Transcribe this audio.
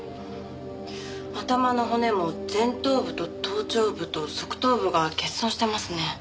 頭の骨も前頭部と頭頂部と側頭部が欠損してますね。